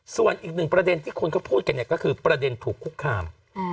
ส่วนอีกหนึ่งประเด็นที่คนเขาพูดกันเนี่ยก็คือประเด็นถูกคุกคาม